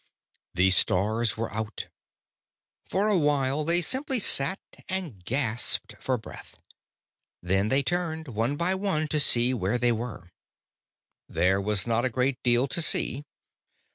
The stars were out. For a while they simply sat and gasped for breath. Then they turned, one by one, to see where they were. There was not a great deal to see.